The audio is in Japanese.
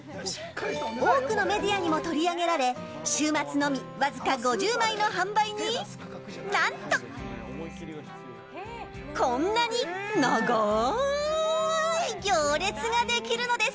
多くのメディアでも取り上げられ週末のみ、わずか５０枚の販売に何とこんなに長い行列ができるのです。